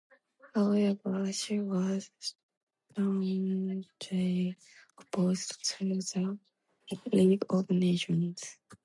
However, he was staunchly opposed to the League of Nations.